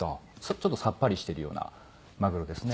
ちょっとさっぱりしてるようなマグロですね。